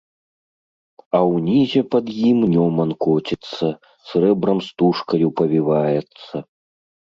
А ўнізе пад ім Нёман коціцца, срэбрам-стужкаю павіваецца.